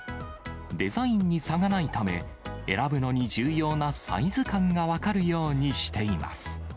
デザインに差がないため、選ぶのに重要なサイズ感が分かるようにしています。